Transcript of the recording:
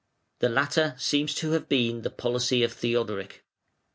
The latter seems to have been the policy of Theodoric.